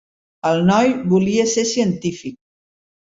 El noi volia ser científic.